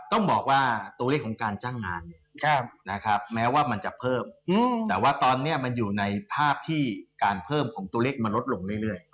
ต้องบอกว่าตัวเลขของการจ้างงานแม้ว่ามันจะเพิ่มแต่ว่าตอนนี้มันอยู่ในภาพที่การเพิ่มของตัวเลขมันลดลงเรื่อย